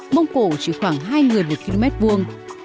mông cổ chỉ khoảng hai người một km vuông